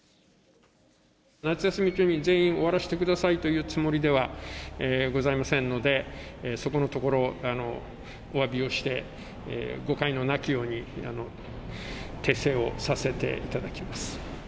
夏休み中に全員、終わらせてくださいというつもりではございませんので、そこのところ、おわびをして、誤解のなきように訂正をさせていただきます。